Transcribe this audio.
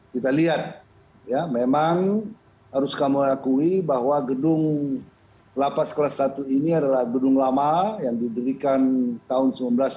kita lihat ya memang harus kamu akui bahwa gedung lapas kelas satu ini adalah gedung lama yang didirikan tahun seribu sembilan ratus sembilan puluh